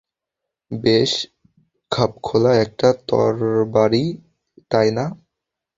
বেশ খাপখোলা একটা তরবারি, তাই না?